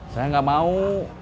saya gak mau